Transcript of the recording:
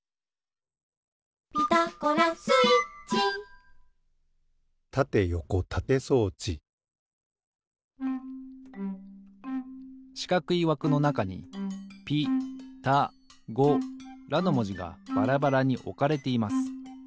「ピタゴラスイッチ」しかくいわくのなかに「ピ」「タ」「ゴ」「ラ」のもじがバラバラにおかれています。